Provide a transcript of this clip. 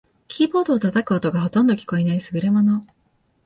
キーボードを叩く音がほとんど聞こえない優れもの